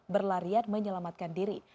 berlarian menyelamatkan diri